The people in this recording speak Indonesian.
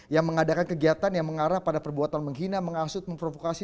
yang mengadakan kegiatan yang mengarah pada perbuatan menghina mengasut memprovokasi